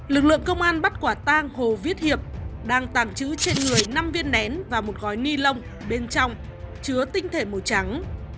lực lượng công an bắt quả tang hồ viết hiệp đang tàng trữ trên người năm viên nén và một gói ni lông bên trong chứa tinh thể màu trắng